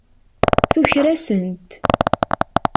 Tuker-asent.